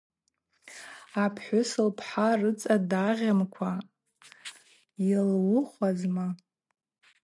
Апхӏвыс лпхӏа рыцӏа дагъьымкӏва йылуыхуазма.